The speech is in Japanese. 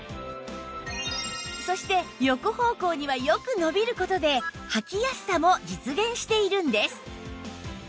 そして横方向にはよく伸びる事ではきやすさも実現しているんです